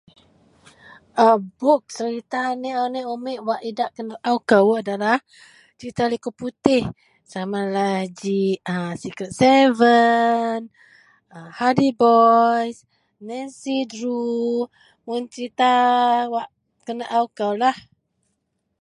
a buk serita aneik-aneik umik wak idak tenaou kou adalah serita likou putih samalah ji a secret seven, hardy boy, nancy drew, mun serita wak tenaou koulah